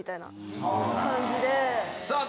さあ！